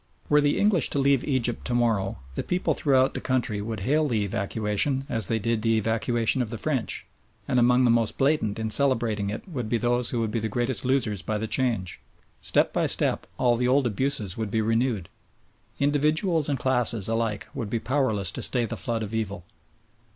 Were the English to leave Egypt to morrow the people throughout the country would hail the evacuation as they did the evacuation of the French, and among the most blatant in celebrating it would be those who would be the greatest losers by the change. Step by step all the old abuses would be renewed. Individuals and classes alike would be powerless to stay the flood of evil.